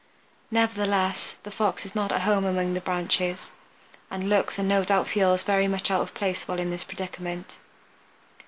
Nevertheless the Fox is not at home among the branches, and looks and no doubt feels very much out of place while in this predicament.